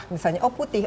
misalnya oh putih